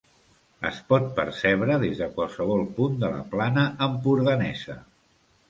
Es pot percebre des de qualsevol punt de la plana empordanesa.